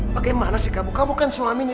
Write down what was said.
bagaimana sih kamu kamu kan suami ini